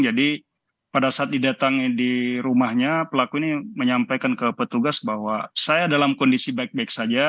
jadi pada saat didatang di rumahnya pelaku ini menyampaikan ke petugas bahwa saya dalam kondisi baik baik saja